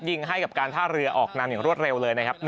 ยิงให้กับการท่าเรือออกนำอย่างรวดเร็วเลยนะครับ